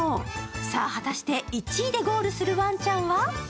さあ果たして１位でゴールするワンちゃんは？